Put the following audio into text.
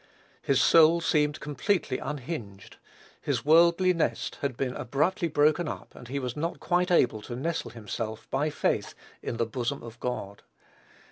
His soul seemed completely unhinged; his worldly nest had been abruptly broken up, and he was not quite able to nestle himself, by faith, in the bosom of God.